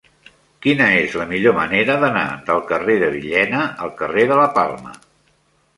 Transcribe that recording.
Quina és la millor manera d'anar del carrer de Villena al carrer de la Palma?